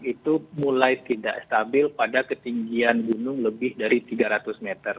itu mulai tidak stabil pada ketinggian gunung lebih dari tiga ratus meter